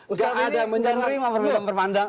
ustaz ini mencari memperbandang